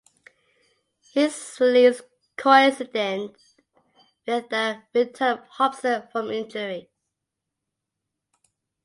His release coincided with the return of Hopson from injury.